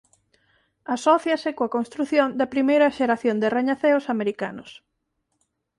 Asóciase coa construción da primeira xeración de rañaceos americanos.